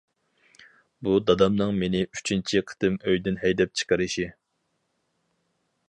بۇ دادامنىڭ مېنى ئۈچىنچى قېتىم ئۆيدىن ھەيدەپ چىقىرىشى.